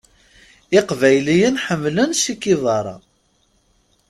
Iqbayliyen ḥemmlen Che Guevara.